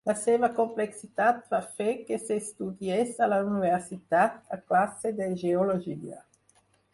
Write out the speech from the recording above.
La seva complexitat va fer que s'estudiés a la universitat, a classe de geologia.